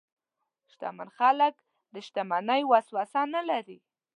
شتمن خلک د شتمنۍ وسوسه نه لري.